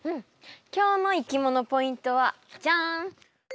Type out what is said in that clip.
今日のいきものポイントはジャーン！